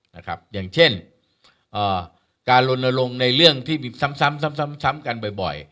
อย่างเช่นการลนลงในเรื่องที่มีซ้ำกันบ่อย